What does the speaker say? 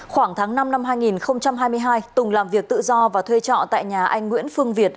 khoảng tháng năm năm hai nghìn hai mươi hai tùng làm việc tự do và thuê trọ tại nhà anh nguyễn phương việt